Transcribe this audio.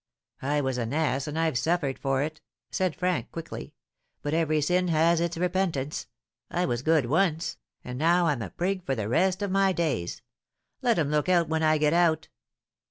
"I was an ass, and I've suffered for it," said Frank, quickly; "but every sin has its repentance. I was good once, and now I'm a prig for the rest of my days. Let 'em look out when I get out."